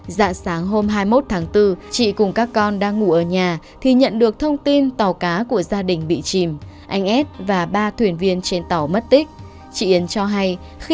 dạng sáng hôm hai mươi một tháng bốn chị cùng các con đang ngủ ở nhà thì nhận được thông tin tàu cá của gia đình bị chìm anh ad và ba thuyền viên trên tàu mất tích